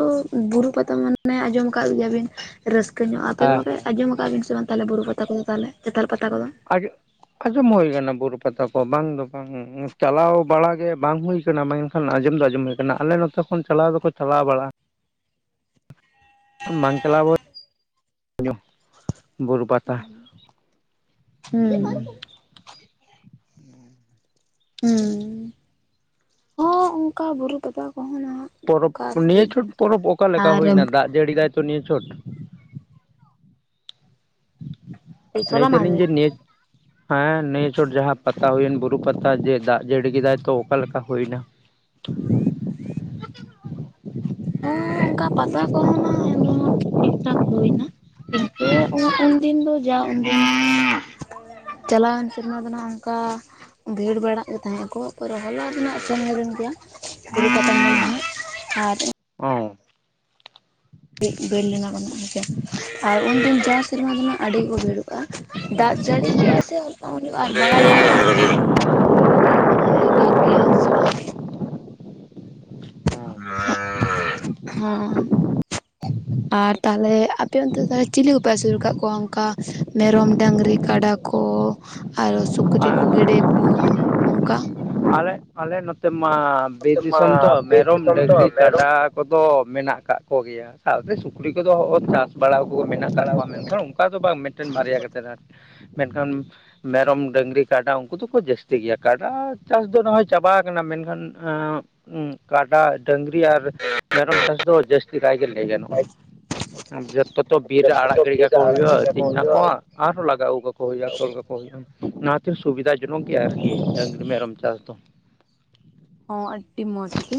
ᱵᱩᱨᱩ ᱯᱟᱛᱟ ᱢᱟᱱᱮ ᱟᱸᱡᱚᱢ ᱟᱠᱟᱫ ᱜᱮᱭᱟ ᱵᱤᱱ ᱨᱟᱹᱥᱠᱟᱹ ᱧᱚᱜ ᱟᱯᱮ ᱦᱮᱸ ᱵᱟᱯᱮ ᱦᱮᱸ ᱟᱸᱡᱚᱢ ᱟᱠᱟᱫ ᱵᱤᱱ ᱥᱮ ᱵᱟᱝ ᱛᱟᱦᱚᱞᱮ ᱵᱩᱨᱩ ᱯᱟᱛᱟ ᱠᱚᱫᱚ ᱛᱟᱦᱞᱮ ᱪᱟᱛᱟᱞ ᱯᱟᱛᱟ ᱠᱚᱫᱚ ᱟᱜᱮᱼᱼ ᱟᱸᱡᱚᱢ ᱦᱩᱭ ᱟᱠᱟᱱᱟ ᱵᱩᱨᱩ ᱯᱟᱛᱟ ᱠᱚ ᱵᱟᱝ ᱫᱚ ᱵᱟᱝ ᱪᱟᱞᱟᱣ ᱵᱟᱲᱟᱜ ᱜᱮ ᱵᱟᱝ ᱦᱩᱭ ᱠᱟᱱᱟ ᱢᱮᱼᱼ ᱟᱸᱡᱚᱢ ᱫᱚ ᱟᱸᱡᱚᱢ ᱦᱩᱭ ᱟᱠᱟᱱᱟ ᱟᱞᱮ ᱱᱚᱛᱮ ᱠᱷᱚᱱ ᱪᱟᱞᱟᱣ ᱫᱚᱠᱚ ᱪᱟᱞᱟᱣ ᱵᱟᱲᱟᱜ-ᱟ᱾ ᱵᱟᱝ ᱪᱟᱞᱟᱣ [unintelligible] ᱵᱩᱨᱩ ᱯᱟᱛᱟ ᱦᱩᱸ ᱦᱩᱸ ᱦᱩᱸ ᱦᱚ ᱚᱱᱠᱟ ᱵᱩᱨᱩ ᱯᱟᱛᱟ ᱠᱚᱦᱚᱸ ᱱᱟᱦᱟᱜ ᱯᱚᱨᱚᱵᱽ ᱚᱱᱠᱟ ᱱᱤᱭᱟᱹ ᱴᱷᱤᱠ ᱪᱷᱩᱴ ᱜᱮᱭᱟ ᱯᱚᱨᱚᱵᱽ ᱚᱠᱟ ᱞᱮᱠᱟ ᱟᱨ ᱦᱩᱭ ᱱᱟ ᱫᱟᱜ ᱡᱟᱹᱲᱤ ᱫᱟᱭ ᱛᱚ ᱱᱤᱭᱟᱹ ᱪᱷᱩᱴ ᱞᱟᱹᱭ ᱥᱚᱞᱟ ᱫᱟᱞᱤᱧ ᱢᱟᱦᱫᱮᱨ ᱡᱮ ᱱᱤᱭᱟᱹᱼᱼ ᱦᱮᱸ ᱱᱤᱭᱟᱹ ᱪᱚᱴ ᱡᱟᱦᱟᱸ ᱯᱟᱛᱟ ᱦᱩᱭᱮᱱ ᱵᱩᱨᱩ ᱯᱟᱛᱟ ᱡᱮ ᱫᱟᱜ ᱡᱟᱹᱲᱤ ᱠᱮᱫᱟᱭ ᱛᱚ ᱚᱠᱟ ᱞᱮᱠᱟ ᱦᱩᱭ ᱱᱟ [inaudible] ᱚᱱᱠᱟ ᱯᱟᱛᱟ ᱠᱚᱦᱚᱸ ᱱᱟ ᱮᱱ ᱨᱮᱦᱚᱸ ᱴᱷᱤᱠ ᱴᱷᱟᱠ ᱦᱩᱭ ᱱᱟ ᱱᱚᱛᱮ ᱩᱱᱟᱹᱜ ᱩᱱ ᱫᱤᱱ ᱫᱚ ᱡᱟ ᱩᱱ ᱫᱤᱱ [unintelligible] ᱪᱟᱞᱟᱣᱮᱱ ᱥᱮᱨᱢᱟ ᱫᱚ ᱦᱟᱸᱜ ᱚᱱᱠᱟᱼᱼ ᱵᱷᱤᱲ ᱵᱟᱲᱟᱜ ᱜᱮ ᱛᱟᱦᱮᱸᱫ ᱠᱚ ᱯᱚᱨᱮ [unintelligible] ᱦᱚᱞᱟ ᱨᱮᱱᱟᱜ ᱪᱚᱢ [unintelligible] ᱜᱮᱭᱟ [inaudible] ᱚ [unintelligible] ᱞᱮᱱᱟ ᱦᱮᱸᱥᱮ ᱟᱨ ᱩᱱ ᱫᱤᱱ ᱡᱟᱥ ᱥᱮᱨᱢᱟ ᱫᱚ ᱦᱟᱸᱜ ᱟᱹᱰᱤ ᱜᱮᱠᱚ ᱵᱷᱤᱲᱚᱜ-ᱟ᱾ ᱫᱟᱜ ᱡᱟᱹᱲᱤ [unintelligible] ᱦᱚᱸ ᱚ ᱦᱮᱸ ᱟᱨ ᱛᱟᱦᱚᱞᱮ ᱟᱯᱮ ᱚᱱᱛᱮ ᱫᱚ ᱛᱟᱞᱦᱮ ᱪᱤᱞᱤ ᱠᱚᱯᱮ ᱟᱹᱥᱩᱞ ᱟᱠᱟᱫ ᱠᱚᱣᱟ ᱚᱱᱠᱟ? ᱢᱮᱨᱚᱢ, ᱰᱟᱹᱝᱨᱤ, ᱠᱟᱰᱟ ᱠᱚ ᱟᱨᱚ ᱥᱩᱠᱨᱤ ᱟᱨ ᱠᱚ ᱜᱮᱰᱮ ᱠᱚ ᱚᱱᱠᱟ? ᱟᱞᱮ ᱟᱞᱮ ᱱᱚᱛᱮ ᱢᱟ ᱵᱤᱨ ᱱᱚᱛᱮ ᱢᱟ ᱫᱤᱥᱚᱢ ᱛᱚ ᱵᱤᱨ ᱢᱮᱨᱚᱢ, ᱫᱤᱥᱚᱢ ᱛᱚ ᱰᱟᱹᱝᱨᱤ, ᱢᱮᱨᱚᱢ ᱠᱟᱰᱟ ᱠᱚᱫᱚ ᱢᱮᱱᱟᱜ ᱟᱠᱟᱫ ᱠᱚᱜᱮᱭᱟ ᱥᱟᱶᱛᱮ ᱥᱩᱠᱨᱤ ᱠᱚᱫᱚ ᱪᱟᱥ ᱵᱟᱲᱟ ᱠᱚ ᱢᱮᱱᱟᱜ ᱟᱠᱟᱫ ᱵᱟᱲᱟ ᱠᱚᱣᱟ ᱠᱚ ᱢᱮᱱᱠᱷᱟᱱ ᱩᱱᱠᱩ ᱚᱠᱟ ᱫᱚ ᱵᱟᱝ ᱢᱤᱫᱴᱮᱱ ᱵᱟᱨᱭᱟ ᱠᱟᱛᱮᱫ ᱟᱨᱠᱤ᱾ ᱢᱮᱱᱠᱷᱟᱱ ᱢᱮᱨᱚᱢ, ᱰᱟᱝᱨᱤ, ᱠᱟᱰᱟ ᱩᱱᱠᱩ ᱫᱚᱠᱚ ᱡᱟᱹᱥᱛᱤ ᱜᱮᱭᱟ ᱠᱟᱰᱟ ᱪᱟᱥ ᱫᱚ ᱱᱟᱦᱚᱭ ᱪᱟᱵᱟ ᱟᱠᱟᱱᱟ ᱢᱮᱱᱠᱷᱟᱱ ᱠᱟᱰᱟ, ᱰᱟᱹᱟᱝᱨᱤ ᱟᱨ ᱢᱮᱨᱚᱢ ᱪᱟᱥ ᱫᱚ ᱡᱟᱹᱥᱛᱤ ᱡᱟᱥᱛᱤᱠᱟᱹᱭ ᱜᱮ ᱞᱟᱹᱭ ᱜᱟᱱᱚᱜ-ᱟ ᱡᱚᱛᱚ ᱛᱚ ᱵᱤᱨ ᱨᱮ ᱟᱲᱟᱜ ᱡᱚᱛᱚ ᱜᱤᱰᱤ ᱵᱤᱨ ᱨᱮ ᱠᱟᱠᱚ ᱟᱲᱟᱜ ᱦᱩᱭᱩᱜ-ᱟ ᱠᱟᱠᱚ ᱟᱛᱤᱧ ᱦᱩᱭᱩᱜᱼᱟ ᱱᱟᱠᱚ ᱟᱨᱦᱚᱸ ᱞᱟᱜᱟ ᱟᱜᱩ ᱠᱟᱠᱚ ᱦᱩᱭᱩᱜ-ᱟ ᱛᱚᱞ ᱠᱟᱠᱚ ᱦᱩᱭᱩᱜ-ᱟ ᱚᱱᱟᱛᱮ ᱥᱩᱵᱤᱫᱟ ᱡᱮᱱᱚ ᱜᱮᱭᱟ ᱟᱨᱠᱤ ᱰᱟᱹᱝᱨᱤ, ᱢᱮᱨᱚᱢ ᱪᱟᱥ ᱫᱚ᱾ ᱦᱚᱸ ᱟᱹᱰᱤ ᱢᱚᱸᱡᱽᱜᱤ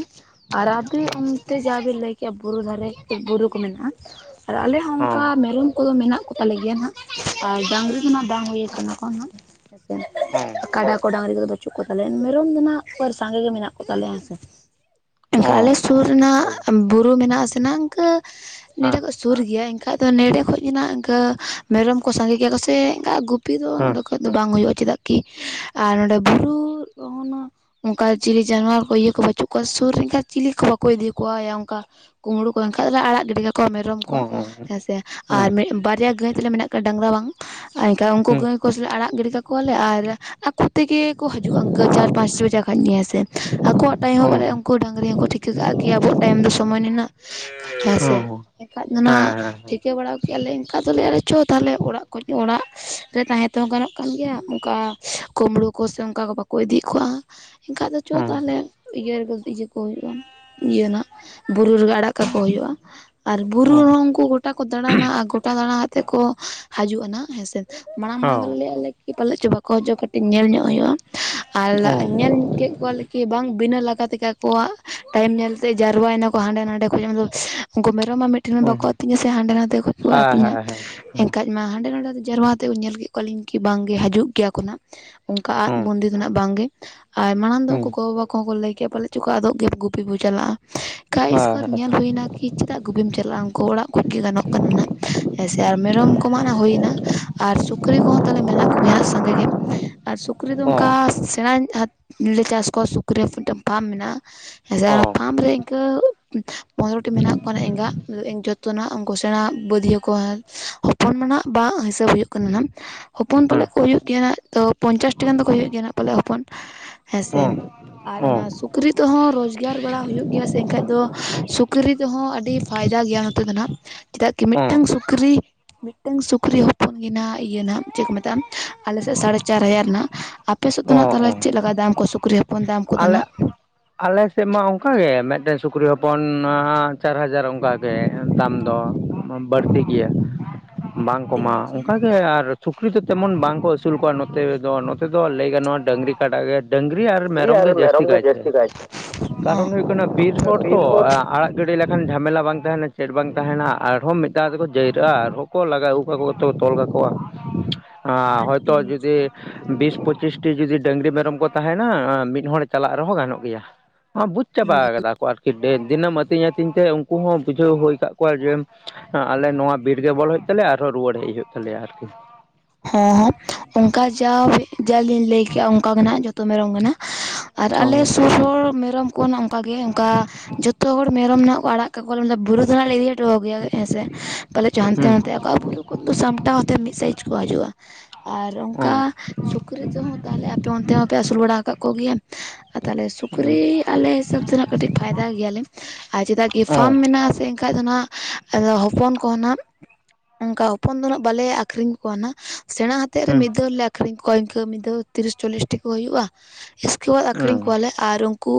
ᱟᱨ ᱟᱯᱮ ᱚᱱᱛᱮ ᱡᱟᱦᱟ ᱵᱮᱱ ᱞᱟᱹᱭ ᱠᱮᱭᱟ ᱵᱩᱨᱩ ᱫᱷᱟᱨᱮ ᱵᱩᱨᱩ ᱠᱚ ᱢᱮᱱᱟᱜ-ᱟ ᱟᱨ ᱟᱞᱮ ᱦᱚᱸ ᱚᱱᱠᱟ ᱢᱮᱨᱚᱢ ᱠᱚᱫᱚ ᱢᱮᱱᱟᱜ ᱠᱚ ᱛᱟᱞᱮ ᱜᱮᱭᱟ ᱱᱟᱦᱟᱜ ᱟᱨ ᱰᱟᱝᱨᱤ ᱫᱚ ᱱᱟᱜ ᱵᱟᱝ ᱦᱩᱭᱩ ᱟᱠᱟᱱᱟ ᱠᱚ ᱱᱟᱜ᱾ ᱦᱮᱸᱥᱮ ᱱᱟᱯᱟᱭ ᱠᱟᱰᱟ ᱠᱚ ᱰᱟᱹᱟᱝᱨᱤ ᱠᱚᱫᱚ ᱵᱟᱹᱪᱩᱜ ᱠᱚ ᱛᱟᱞᱮᱭᱟ ᱢᱮᱨᱚᱢ ᱫᱚ ᱱᱟᱜ ᱟᱨ ᱥᱟᱸᱜᱮ ᱜᱮ ᱢᱮᱱᱟᱜ ᱠᱚᱣᱟ᱾ ᱮᱱᱠᱷᱟᱱ ᱟᱞᱮ ᱥᱩᱨ ᱨᱮᱱᱟᱜ ᱵᱩᱨᱩ ᱢᱮᱱᱟᱜ ᱟᱥᱮ ᱤᱱᱠᱟᱹ ᱱᱚᱸᱰᱮ ᱦᱮᱸ ᱠᱷᱚᱡ ᱥᱩᱨ ᱜᱮᱭᱟ ᱮᱱᱠᱷᱟᱡ ᱫᱚ ᱱᱚᱸᱰᱮ ᱠᱷᱚᱱ ᱥᱩᱨ ᱜᱮᱭᱟ ᱮᱱᱠᱷᱟᱡ ᱫᱚ ᱟᱸᱜ ᱤᱱᱠᱟᱹ ᱢᱮᱨᱚᱢ ᱠᱚ ᱥᱟᱸᱜᱮ ᱜᱮᱭᱟ ᱠᱚ ᱥᱮ ᱮᱱᱠᱟ ᱜᱩᱯ ᱜᱩᱯᱤ ᱫᱚ ᱦᱮᱸ ᱱᱚᱸᱰᱮ ᱠᱷᱚᱡ ᱫᱚ ᱵᱟᱝ ᱦᱩᱭᱩᱜ-ᱟ ᱪᱮᱫᱟᱜ ᱠᱤ ᱟᱨ ᱱᱚᱸᱰᱮ ᱵᱩᱨᱩ ᱚᱱᱟ ᱚᱱᱠᱟ ᱪᱤᱞᱤ ᱡᱟᱱᱣᱟᱨ ᱠᱚ ᱤᱭᱟᱹ ᱠᱚ ᱵᱟᱹᱪᱩᱜ ᱠᱚᱣᱟ ᱥᱩᱨ ᱨᱮᱱᱠᱷᱟᱱ ᱪᱤᱞᱤ ᱠᱚ ᱵᱟᱠᱚ ᱤᱫᱤ ᱠᱚᱣᱟ ᱚᱱᱠᱟ ᱠᱩᱸᱢᱵᱲᱩ ᱠᱚ ᱮᱠᱷᱟᱱ ᱫᱚ ᱟᱲᱟᱜ ᱜᱤᱰᱤ ᱠᱟᱠᱚ ᱠᱚ ᱢᱮᱨᱚᱢ ᱠᱚ ᱦᱮᱸ ᱥᱮ ᱟᱨ ᱢᱤᱫ ᱵᱟᱨᱭᱟ ᱜᱟᱹᱭ ᱛᱟᱞᱮ ᱢᱮᱱᱟᱜ ᱠᱚᱣᱟ ᱰᱟᱝᱨᱟ ᱵᱟᱝ ᱟᱨ ᱮᱱᱠᱟ ᱩᱱᱠᱩ ᱦᱮᱸ ᱜᱟᱹᱭ ᱠᱚ ᱥᱟᱞᱟᱜ ᱟᱲᱟᱜ ᱜᱤᱰᱤ ᱠᱟ ᱠᱚᱣᱟ ᱞᱮ ᱟᱨ ᱟᱠᱚ ᱛᱮᱜᱮ ᱠᱚ ᱦᱤᱡᱩᱜ-ᱟ ᱤᱱᱠᱟᱹ ᱪᱟᱨ ᱯᱟᱸᱪ ᱥᱮᱫ ᱠᱷᱟᱡ ᱱᱤᱭᱟᱹ ᱥᱮ ᱟᱠᱚᱣᱟᱜ ᱴᱟᱭᱤᱢ ᱦᱚᱸ ᱢᱟᱱᱮ ᱩᱱᱠᱩ ᱰᱟᱹᱝᱨᱤ ᱦᱚᱸᱠᱚ ᱴᱷᱤᱠᱟᱹ ᱠᱟᱜ-ᱟ ᱠᱤ ᱟᱵᱚᱣᱟᱜ ᱴᱟᱭᱤᱢ ᱫᱚ ᱥᱚᱢᱚᱭ ᱱᱤᱱᱟᱹᱜ ᱦᱮᱸ ᱥᱮ ᱮᱱᱠᱷᱟᱡ ᱫᱚ ᱱᱟᱦᱟᱜ ᱴᱷᱤᱠ ᱤᱭᱟᱹ ᱵᱟᱲᱟ ᱠᱮᱜ-ᱟ ᱞᱮ ᱮᱱᱠᱷᱟ ᱫᱚᱞᱮ ᱟᱞᱮ ᱪᱚ ᱛᱟᱦᱚᱞᱮ ᱚᱲᱟᱜ ᱠᱚᱡ ᱚᱲᱟᱜ ᱨᱮ ᱛᱟᱦᱮᱸ ᱛᱮᱦᱚᱸ ᱜᱟᱱᱚᱜ ᱠᱟᱱ ᱜᱮᱭᱟ ᱚᱱᱠᱟ ᱠᱳᱢᱲᱳ ᱠᱚ ᱥᱮ ᱚᱱᱠᱟ ᱠᱚ ᱵᱟᱠᱚ ᱤᱫᱤᱭᱮᱜ ᱠᱚᱣᱟ ᱮᱱᱠᱷᱟᱡ ᱫᱚ ᱪᱚ ᱛᱟᱦᱚᱞᱮ ᱤᱭᱟᱹ ᱨᱮᱜᱮ ᱤᱭᱟᱹ ᱠᱚ ᱦᱩᱭᱩᱜ-ᱟ ᱤᱭᱟᱹ ᱱᱟᱦᱟᱜ‌ᱵᱩᱨᱩ ᱨᱮᱜᱮ ᱟᱲᱟᱜ ᱠᱟᱠᱚ ᱦᱩᱭᱩᱜ-ᱟ ᱟᱨ ᱵᱩᱨᱩ ᱨᱮᱦᱚᱸ ᱩᱱᱠᱩ ᱜᱚᱴᱟ ᱠᱚ ᱫᱟᱬᱟᱱᱟ ᱟᱨ ᱜᱚᱴᱟ ᱫᱟᱬᱟ ᱠᱟᱛᱮᱫ ᱠᱚ ᱦᱤᱡᱩᱜ-ᱟ ᱱᱟᱦᱟᱜ ᱦᱮᱸ ᱥᱮ ᱢᱟᱲᱟᱝ ᱢᱟᱲᱟᱝ ᱫᱚᱞᱮ ᱞᱟᱹᱭ‌ ᱟᱞᱮ ᱠᱤ ᱯᱟᱞᱮ ᱪᱚ ᱵᱟᱠᱚ ᱦᱩᱡᱩᱜ-ᱟ ᱠᱟᱹᱴᱤᱡ ᱧᱮᱞ ᱧᱚᱜ ᱦᱩᱭᱩᱜ-ᱟ ᱟᱨ ᱧᱮᱞ ᱠᱮᱫ ᱠᱚᱣᱟ ᱞᱮ ᱠᱤ ᱵᱟᱝ ᱵᱤᱱᱟᱹ ᱞᱟᱜᱟ ᱛᱮᱜᱮ ᱟᱠᱚᱣᱟᱜ ᱴᱟᱭᱤᱢ ᱧᱮᱞ ᱛᱮ ᱡᱟᱨᱣᱟᱭ ᱱᱟ ᱠᱚ ᱦᱟᱸᱰᱮ ᱱᱟᱰᱮ ᱠᱷᱚᱡ ᱟᱫᱚ ᱩᱱᱠᱩ ᱢᱮᱨᱚᱢ ᱢᱟ ᱢᱤᱫ ᱴᱷᱮᱱ ᱢᱟ ᱵᱟᱠᱚ ᱟᱹᱛᱤᱧᱟ ᱥᱮ ᱦᱟᱸᱰᱮ ᱱᱟᱰᱮ ᱠᱷᱚᱡ ᱜᱮᱠᱚ ᱟᱹᱛᱤᱧᱟ ᱮᱱᱠᱷᱟᱡ ᱤᱧ ᱢᱟ ᱦᱟᱸᱰᱮ ᱱᱟᱰᱮ ᱫᱚ ᱡᱟᱨᱣᱟ ᱠᱟᱛᱮᱜ ᱧᱮᱞ ᱠᱮᱫ ᱠᱚᱣᱟ ᱞᱤᱧ ᱠᱤ ᱵᱟᱝᱜᱮ ᱦᱤᱡᱩᱜ ᱜᱮᱭᱟ ᱠᱚ ᱱᱟᱦᱟᱜ ᱚᱱᱠᱟ ᱟᱫ ᱵᱚᱱᱫᱤ ᱫᱚ ᱦᱟᱸᱜ ᱵᱟᱝᱜᱮ ᱟᱨ ᱢᱟᱲᱟᱝ ᱫᱚ ᱩᱱᱠᱩ ᱜᱚ ᱵᱟᱵᱟ ᱟᱠᱚ ᱦᱚᱸ ᱠᱚ ᱞᱟᱹᱭ ᱠᱮᱫ ᱯᱟᱞᱮᱫ ᱪᱚᱠᱚ ᱟᱫᱚᱜ ᱜᱮᱭᱟ ᱜᱩᱯᱤ ᱵᱚ ᱪᱟᱞᱟᱜ-ᱟ ᱠᱷᱟᱡ ᱤᱥᱠᱮ ᱵᱟᱫ ᱧᱮᱞ ᱦᱩᱭᱱᱟ ᱠᱤ ᱪᱮᱫᱟᱜ ᱜᱩᱯᱤᱢ ᱪᱟᱞᱟᱜ-ᱟ ᱩᱱᱠᱩ ᱚᱲᱟᱜ ᱠᱷᱚᱡ ᱜᱮ ᱜᱟᱱᱚᱜ ᱠᱟᱱᱟ ᱱᱟᱦᱟᱜ ᱦᱮᱸ ᱥᱮ ᱟᱨ ᱢᱮᱨᱚᱢ ᱠᱚᱢᱟᱜ ᱱᱟ ᱦᱩᱭᱱᱟ ᱟᱨ ᱥᱩ ᱥᱩᱠᱨᱤ ᱠᱚᱦᱚᱸ ᱛᱟᱞᱮ ᱢᱮᱱᱟᱜ ᱠᱚᱜᱮᱭᱟ ᱦᱟᱸᱜ ᱥᱟᱸᱜᱮ ᱜᱮ ᱟᱨ ᱥᱩᱠᱨᱤ ᱫᱚ ᱚᱱᱠᱟ ᱥᱮᱬᱟᱧ ᱦᱟᱛ ᱞᱮᱠᱟ ᱪᱟᱥ ᱠᱚᱣᱟ ᱥᱩᱠᱨᱤ ᱨᱮ ᱢᱤᱫᱴᱟᱝ ᱯᱟᱨᱢ ᱢᱮᱱᱟᱜ-ᱟ ᱦᱮᱸ ᱥᱮ ᱚᱱᱟ ᱯᱷᱟᱨᱢ ᱨᱮ ᱠᱟᱹ ᱯᱚᱱᱨᱚᱴᱤ ᱢᱮᱱᱟᱜ ᱠᱚᱣᱟ ᱮᱸᱜᱟ ᱡᱚᱛᱚ ᱱᱟᱜ ᱩᱱᱠᱩ ᱥᱮᱬᱟ ᱵᱟᱹᱫᱷᱭᱟᱹ ᱠᱚ ᱦᱚᱯᱚᱱ ᱢᱮᱱᱟᱜ ᱵᱟᱝ ᱦᱤᱥᱟᱹᱵ ᱦᱩᱭᱩᱜ ᱠᱟᱱᱟ ᱱᱟᱦᱟᱜ ᱦᱚᱯᱚᱱ ᱯᱟᱞᱮᱫ ᱠᱚ ᱦᱩᱭᱩᱜ ᱜᱮᱭᱟ ᱱᱟᱜ ᱛᱚ ᱯᱚᱧᱪᱟᱥᱴᱤ ᱨᱮᱱ ᱫᱚᱠᱚ ᱦᱩᱭᱩᱜ ᱜᱮᱭᱟ ᱱᱟᱜ ᱯᱟᱞᱮᱫ ᱦᱚᱯᱚᱱ ᱦᱮᱸ ᱥᱮ᱾ ᱟᱨ ᱚᱱᱟ ᱥᱩᱠᱨᱤ ᱛᱮ ᱦᱚᱸ ᱨᱚᱡᱽᱜᱟᱨ ᱵᱟᱲᱟ ᱦᱩᱭᱩᱜ ᱜᱮᱭᱟ ᱥᱮ ᱮᱱᱠᱷᱟᱡ ᱫᱚ ᱥᱩᱠᱨᱤ ᱛᱮ ᱦᱚᱸ ᱟᱹᱰᱤ ᱯᱷᱟᱭᱫᱟ ᱜᱮᱭᱟ ᱱᱚᱛᱮ ᱫᱚ ᱱᱟᱜ ᱪᱮᱫᱟᱜ ᱠᱤ ᱢᱤᱫᱴᱟᱝ ᱥᱩᱠᱨᱤ ᱢᱤᱫᱴᱟᱹᱝ ᱥᱩᱠᱨᱤ ᱦᱚᱯᱚᱱ ᱜᱮ ᱱᱟᱜ ᱤᱭᱟᱹ ᱱᱟᱜ ᱪᱮᱫ ᱠᱚ ᱢᱮᱛᱟᱜᱼᱟ ᱟᱞᱮ ᱥᱮᱫ ᱥᱟᱲᱮ ᱪᱟᱨ ᱦᱟᱡᱟᱨ ᱱᱟᱜ ᱟᱯᱮ ᱥᱮᱫ ᱫᱚ ᱱᱟᱜ ᱛᱟᱦᱞᱮ ᱪᱮᱫ ᱞᱮᱠᱟ ᱫᱟᱢ ᱠᱚ ᱥᱩᱠᱨᱤ ᱦᱚᱯᱚᱱ ᱫᱟᱢ ᱠᱚ ᱟᱞᱮ ᱱᱟᱜ? ᱟᱞᱮ ᱥᱮᱫ ᱢᱟ ᱚᱝᱠᱟ ᱜᱮ ᱢᱤᱫᱴᱮᱱ ᱥᱩᱠᱨᱤ ᱦᱚᱯᱚᱱ ᱱᱟ ᱪᱟᱨ ᱦᱟᱡᱟᱨ ᱚᱝᱠᱟ ᱜᱮ ᱫᱟᱢ ᱫᱚ᱾ ᱢᱟ ᱵᱟᱹᱲᱛᱤ ᱜᱮᱭᱟ ᱵᱟᱝ ᱟᱹᱰᱤ ᱠᱚᱢᱟ ᱢᱚᱡᱽ ᱚᱝᱠᱟ ᱜᱮ ᱟᱨ ᱥᱩᱠᱨᱤ ᱫᱚ ᱛᱮᱢᱚᱱ ᱵᱟᱝᱠᱚ ᱟᱹᱥᱩᱞ ᱠᱚᱣᱟ ᱱᱚᱛᱮ ᱫᱚ ᱱᱚᱛᱮ ᱫᱚ ᱞᱟᱹᱭ ᱜᱟᱱᱚᱜᱼᱟ, ᱰᱟᱹᱝᱨᱤ ᱠᱟᱰᱟ ᱜᱮ ᱰᱟᱹᱝᱨᱤ ᱟᱨ ᱢᱮᱨᱚᱢ ᱜᱮ ᱡᱟᱹᱥᱛᱤ ᱠᱟᱭ ᱛᱮ ᱠᱟᱨᱚᱱ ᱦᱳᱭᱳᱜ ᱠᱟᱱᱟ ᱵᱤᱨ ᱦᱚᱲ ᱛᱚ ᱟᱲᱟ ᱟᱲᱟᱜ ᱜᱤᱰᱤ ᱞᱮᱠᱷᱟᱱ ᱡᱷᱟᱢᱮᱞᱟ ᱵᱟᱝ ᱛᱟᱦᱮᱱᱟ ᱪᱮᱫ ᱵᱟᱝ ᱛᱟᱦᱮᱱᱟ ᱟᱨ ᱦᱚᱸ ᱢᱤᱫ ᱫᱷᱟᱣ ᱫᱚ ᱠᱚ ᱡᱟᱹᱭᱨᱟᱹᱜᱼᱟ ᱟᱨ ᱦᱚᱸ ᱠᱚ ᱞᱟᱜᱟ ᱟᱜᱩ ᱟᱜᱩ ᱠᱟᱛᱮ ᱠᱚ ᱛᱚᱞ ᱠᱟᱠᱚᱣᱟ ᱾ ᱟ ᱟᱹᱰᱤ ᱦᱚᱭᱛᱚ ᱢᱚᱡᱽ ᱡᱩᱫᱤ ᱵᱤᱥ ᱯᱚᱸᱪᱤᱥᱴᱤ ᱡᱩᱫᱤ ᱰᱟᱹᱝᱨᱤ ᱢᱮᱨᱚᱢ ᱠᱚ ᱛᱟᱦᱮᱱᱟ ᱮ ᱢᱤᱫ ᱢᱤᱫ ᱦᱚᱲ ᱪᱟᱞᱟᱜ ᱨᱮ ᱦᱚᱸ ᱜᱟᱱᱚᱜ ᱜᱮᱭᱟ ᱮ ᱵᱩᱡᱽ ᱪᱟᱵᱟ ᱦᱚᱸ ᱠᱟᱫᱟ ᱠᱚ ᱟᱨ ᱠᱤ ᱰᱮ ᱫᱤᱱᱟᱹᱢ ᱟᱹᱛᱤᱧ ᱟᱹᱛᱤᱧ ᱛᱮ ᱩᱱᱠᱩ ᱦᱚᱸ ᱵᱩᱡᱷᱟᱹᱣ ᱦᱩᱭ ᱟᱠᱟᱫ ᱠᱚᱣᱟ ᱡᱮ ᱟᱞᱮ ᱱᱚᱣᱟ ᱵᱤᱨ ᱜᱮ ᱵᱚᱞᱚ ᱛᱟᱞᱮᱭᱟ ᱟᱨ ᱦᱚᱸ ᱨᱩᱭᱟᱹᱲ ᱦᱮᱡ ᱦᱩᱭᱩᱜ ᱛᱟᱞᱮᱭᱟ ᱟᱨᱠᱤ᱾ ᱦᱮᱸ ᱦᱮᱸ ᱚᱜᱠᱟ ᱡᱟᱣ ᱡᱟ ᱞᱤᱧ ᱞᱟᱹᱭᱠᱮᱜᱼᱟ ᱚᱝᱠᱟ ᱜᱮ ᱱᱟᱜ ᱡᱷᱚᱛᱚ ᱢᱮᱨᱚᱢ ᱜᱮ ᱱᱟᱜ ᱟᱨ ᱟᱞᱮ ᱦᱩᱸ ᱥᱩᱨ ᱦᱚᱲ ᱢᱮᱨᱚᱢ ᱠᱚ ᱱᱟᱜ ᱚᱝᱠᱟ ᱜᱮ ᱚᱱᱠᱟ ᱡᱷᱚᱛᱚ ᱦᱚᱲ ᱢᱮᱨᱚᱢ ᱱᱟᱜ ᱠᱚ ᱟᱲᱟᱜ ᱠᱟᱠᱚ [inaudible] ᱵᱩᱨᱩ ᱫᱚ ᱦᱟᱸᱜ ᱞᱮ ᱤᱫᱤ ᱦᱚᱴᱚ ᱠᱟᱠᱚ ᱜᱮᱭᱟ ᱦᱮᱸ ᱥᱮ ᱯᱚᱞᱮᱫ ᱪᱚ ᱦᱟᱱᱛᱮ ᱦᱩᱸ ᱱᱟᱛᱮ ᱟ ᱠᱚ ᱟᱨ ᱵᱩᱨᱩ ᱠᱩᱫ ᱫᱚ ᱥᱟᱢᱴᱟᱣ ᱟᱛᱮᱫ ᱢᱤᱫ ᱥᱟᱭᱤᱡ ᱠᱚ ᱦᱤᱡᱩᱜᱼᱟ ᱾ ᱟᱨ ᱚᱝᱠᱟ ᱦᱩᱸ ᱥᱩᱠᱨᱤ ᱛᱮ ᱦᱚᱸ ᱛᱟᱦᱚᱞᱮ ᱟᱯᱮ ᱚᱱᱛᱮ ᱦᱚᱸᱯᱮ ᱟᱥᱩᱞ ᱵᱟᱲᱟ ᱠᱟᱜ ᱠᱚ ᱜᱮᱭᱟ? ᱟᱨ ᱛᱟᱦ ᱚᱞᱮ ᱦᱩᱸ ᱥᱩᱠᱨᱤ ᱟᱞᱮ ᱦᱤᱥᱟᱹᱵᱽ ᱛᱮᱦᱱᱟᱜ ᱠᱟᱹᱴᱤᱡ ᱯᱷᱟᱭᱫᱟ ᱜᱮᱭᱟᱞᱮ ᱟᱨ ᱪᱮᱫᱟᱜ ᱠᱤ ᱯᱷᱟᱨᱢ ᱢᱮᱱᱟᱜ-ᱟ ᱥᱮ, ᱠᱷᱟᱡ ᱫᱚ ᱱᱟᱜ ᱟᱫᱚ ᱦᱚᱯᱚᱱ ᱠᱚ ᱦᱚᱸ ᱱᱟᱜ ᱚᱝᱠᱟ ᱦᱚᱯᱚᱱ ᱫᱚ ᱱᱟᱜ ᱵᱟᱞᱮ ᱟᱹᱠᱷᱨᱤᱧ ᱠᱚᱣᱟ ᱱᱟᱜ ᱥᱮᱬᱟ ᱦᱟᱛᱮᱫ ᱨᱮ ᱦᱩᱸ ᱢᱤᱫ ᱫᱷᱟᱣ ᱞᱮ ᱟᱠᱷᱨᱤᱧ ᱠᱚᱣᱟ ᱤᱝᱠᱟᱹ ᱢᱤᱫ ᱫᱷᱟᱣ ᱛᱤᱨᱤᱥ ᱪᱚᱞᱞᱤᱥ ᱴᱤ ᱠᱚ ᱦᱩᱭᱩᱜᱼᱟ, ᱤᱥᱠᱮ ᱵᱟᱫᱽ ᱟᱠᱷᱨᱤᱧ ᱦᱩᱸ ᱠᱚᱣᱟᱞᱮ ᱟᱨ ᱩᱱ ᱠᱩ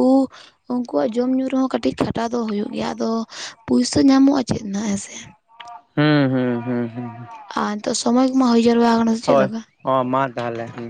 ᱩᱱᱠᱩᱣᱟᱜ ᱡᱚᱢ ᱧᱩ ᱨᱮ ᱦᱚᱸ ᱠᱟᱹᱴᱤᱡ ᱠᱷᱟᱴᱟᱣ ᱫᱚ ᱦᱩᱭᱩᱜ ᱜᱮᱭᱟ ᱟᱫᱚ ᱯᱩᱭᱥᱟᱹ ᱧᱟᱢᱚᱜᱼᱟ ᱪᱮᱫ ᱱᱟᱜ ᱦᱮᱸ ᱥᱮ? ᱦᱩᱸ ᱦᱩᱸ ᱦᱩᱸ ᱦᱩᱸ, ᱟᱨ ᱛᱚ ᱥᱚᱢᱚᱭ ᱠᱚᱢᱟ ᱦᱳᱭ ᱡᱟᱨᱣᱟ ᱠᱟᱱᱟ ᱾ ᱦᱳᱭ, ᱚ ᱢᱟ ᱛᱟᱦᱚᱞᱮ ᱦᱮᱸ